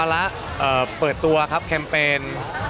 และเปิดตัวครับแคมเปญ